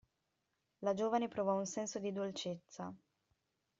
La giovane provò un senso di dolcezza.